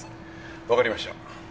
わかりました。